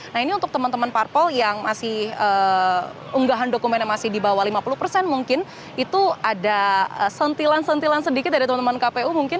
nah ini untuk teman teman parpol yang masih unggahan dokumennya masih di bawah lima puluh persen mungkin itu ada sentilan sentilan sedikit dari teman teman kpu mungkin